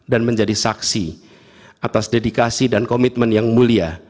dan menjadi saksi atas dedikasi dan komitmen yang mulia